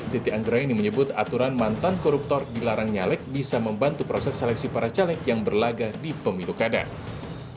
titi anggra ini menyebut aturan mantan koruptor dilarang nyalek bisa membantu proses seleksi para caleg yang berlaga di pemilu kadang